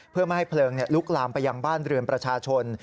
เพื่อไม่ให้เพลิงลุกลามไปยังบ้านเรือนประชาชน